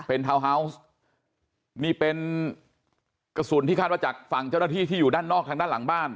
เป็นทาวน์ฮาวส์นี่เป็นกระสุนที่คาดว่าจากฝั่งเจ้าหน้าที่ที่อยู่ด้านนอกทางด้านหลังบ้าน